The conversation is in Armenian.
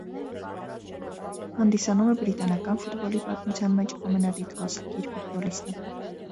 Հանդիսանում է բրիտանական ֆուտբոլի պատմության մեջ ամենատիտղոսակիր ֆուտբոլիստը։